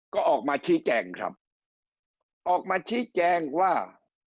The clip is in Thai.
ก็ออกมาชี้แจงครับออกมาชี้แจงว่า